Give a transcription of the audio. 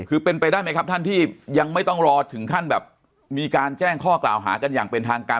คือเป็นไปได้ไหมครับท่านที่ยังไม่ต้องรอถึงขั้นแบบมีการแจ้งข้อกล่าวหากันอย่างเป็นทางการ